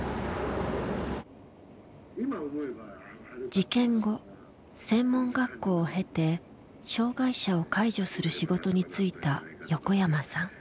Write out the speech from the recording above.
事件後専門学校を経て障害者を介助する仕事に就いた横山さん。